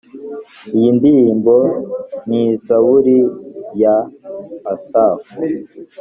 iyi ndirimbo ni zaburi ya asafu